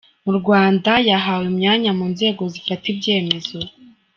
Mu Rwanda yahawe imyanya mu nzego zifata ibyemezo.